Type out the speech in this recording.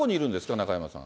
中山さん。